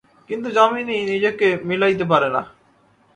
কিন্তু যামিনী নিজেকে মিলাইতে পারে না।